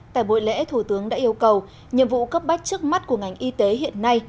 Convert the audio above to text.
tại buổi lễ thủ tướng đã yêu cầu nhiệm vụ cấp bách trước mắt của ngành y tế hiện nay